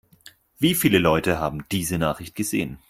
Wie viele Leute haben diese Nachricht gesehen?